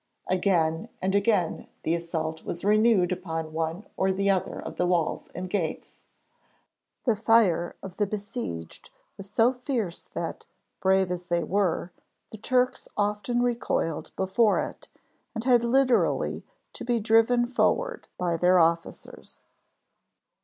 Again and again the assault was renewed upon one or other of the walls and gates. The fire of the besieged was so fierce that, brave as they were, the Turks often recoiled before it and had literally to be driven forward by their officers.